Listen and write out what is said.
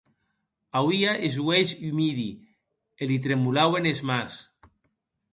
Auie es uelhs umidi e li tremolauen es mans.